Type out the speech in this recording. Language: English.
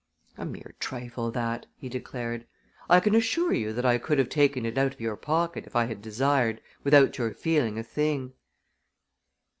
"A mere trifle, that!" he declared. "I can assure you that I could have taken it out of your pocket, if I had desired, without your feeling a thing."